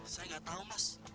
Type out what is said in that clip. saya gak tau mas